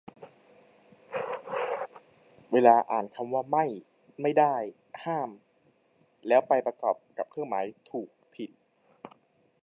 เวลาอ่านคำว่า "ไม่" "ไม่ได้" "ห้าม" แล้วไปประกอบกับเครื่องหมาย ถูก ผิด